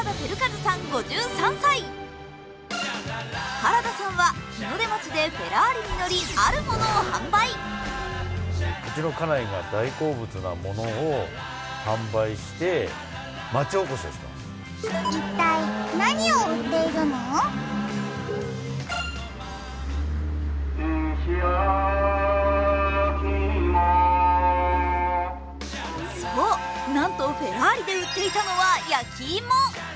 原田さんは日の出町でフェラーリに乗り、あるものを販売そう、なんとフェラーリで売っていたのは焼き芋。